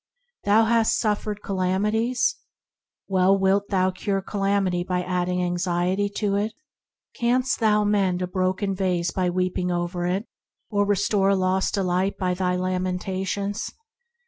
Thou hast suffered calamities ? Well, shalt thou cure calamity by adding anxiety to it ? Canst thou mend a broken vase by weeping over it, or restore a lost delight by thy lamentations